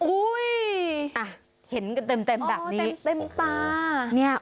อุ้ยอ่ะเห็นกันเต็มแบบนี้อ๋อเต็มตา